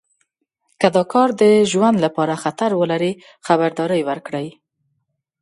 که دا کار د ژوند لپاره خطر ولري خبرداری ورکړئ.